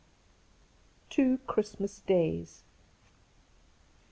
TWO CHRISTMAS DAYS.